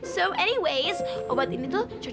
so anyways obat ini tuh cukup keren ya kan